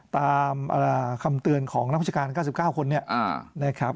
ตามคำเตือนของนักวิชาการ๙๙คน